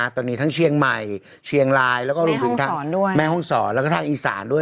ตอนนี้ทั้งเชียงใหม่เชียงรายแล้วก็รวมถึงทางแม่ห้องศรแล้วก็ทางอีสานด้วย